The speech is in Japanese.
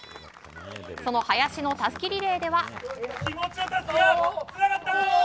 その林のたすきリレーでは。